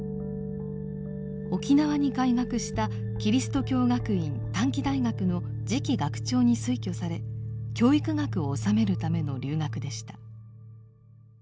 沖縄に開学したキリスト教学院短期大学の次期学長に推挙され教育学を修めるための留学でした。